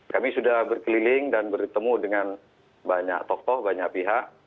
kami sudah berkeliling dan bertemu dengan banyak tokoh banyak pihak